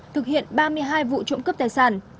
thực hiện ba mươi hai vụ trộm cắp tài sản